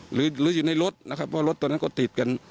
หรืออยู่ในรถนะครับเพราะรถตอนนั้นก็ติดกัน